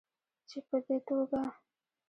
چې په دې توګه